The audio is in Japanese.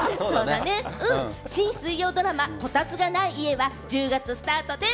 新水曜ドラマ『コタツがない家』は１０月スタートです。